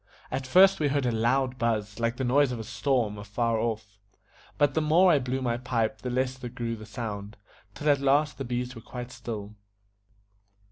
At first we heard a loud buzz like the noise of a storm afar off; but the more I blew my pipe the less grew the sound, till at last the bees were quite still.